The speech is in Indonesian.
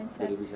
jadi bisa ya